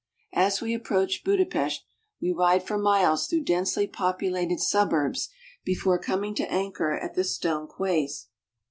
As we approach Budapest, we ride for miles through densely populated suburbs before coming to anchor at the stone quays.